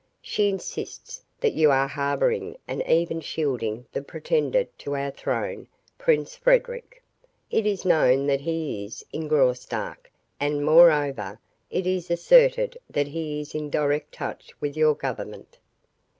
"She insists that you are harboring and even shielding the pretender to our throne, Prince Frederic. It is known that he is in Graustark and, moreover, it is asserted that he is in direct touch with your government."